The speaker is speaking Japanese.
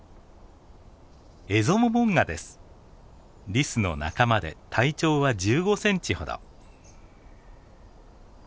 リスの仲間で体長は１５センチほど。